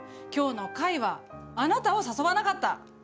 今日の会はあなたを誘わなかった。